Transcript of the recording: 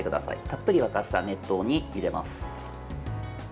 たっぷり沸かせた熱湯に入れます。